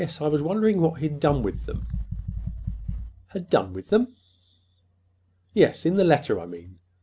I was wondering what he had done with them." "Had done with them!" "Yes, in the letter, I mean."